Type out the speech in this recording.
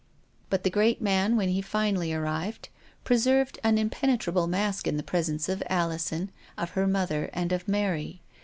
But the great man, when he finally arrived, preserved an impenetrable mask in the pres ence of Alison, of her mother, and of Mary.